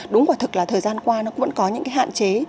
đúng quả thực là thời gian qua nó cũng vẫn có những hạn chế